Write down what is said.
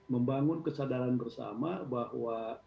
membangun kesadaran bersama bahwa